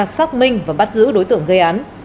xác minh và bắt giữ đối tượng gây án